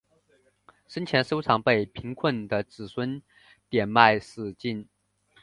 生前收藏被贫困的子孙典卖殆尽。